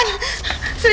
sini bentar deh